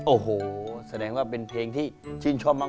โอ้โหแสดงว่าเป็นเพลงที่ชื่นชอบมาก